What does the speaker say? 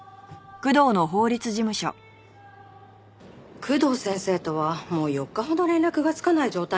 工藤先生とはもう４日ほど連絡がつかない状態なんです。